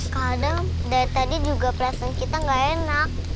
kadang dari tadi juga perasaan kita gak enak